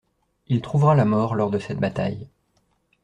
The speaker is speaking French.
Il trouvera la mort lors de cette bataille.